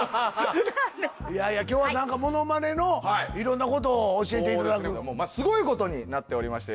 いやいや今日はなんかものまねのいろんなことを教えていただくすごいことになっておりまして